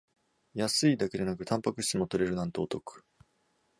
安いだけでなくタンパク質も取れるなんてお得